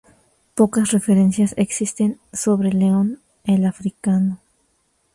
Pocas referencias existen sobre León el Africano.